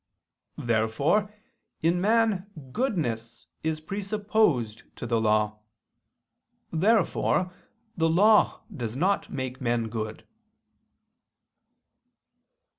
Therefore in man goodness is presupposed to the law. Therefore the law does not make men good.